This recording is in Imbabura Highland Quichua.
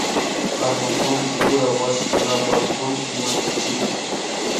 Hatun kullki ruran wasikunapak kullki mañachik